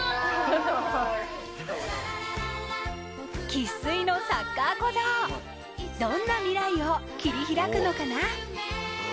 生っ粋のサッカー小僧、どんな未来を切り開くのかな？